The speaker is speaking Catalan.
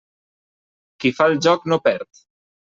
Qui fa el joc no perd.